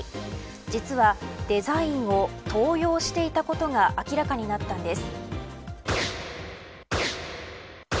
実はデザインを盗用していたことが明らかになったんです。